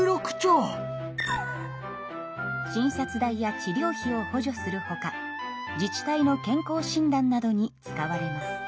診察代や治療費を補助するほか自治体の健康診断などに使われます。